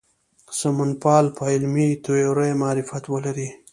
سمونپال په علمي تیوریو معرفت ولري.